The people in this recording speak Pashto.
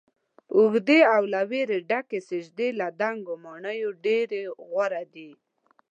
اوږدې او له ويرې ډکې سجدې له دنګو ماڼیو ډيرې غوره دي